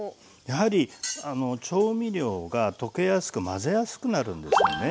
やはり調味料が溶けやすく混ぜやすくなるんですね。